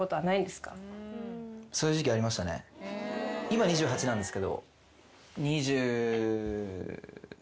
今２８なんですけど。